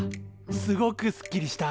すごくすっきりした。